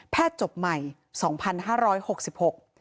จบใหม่สองพันห้าร้อยหกสิบหก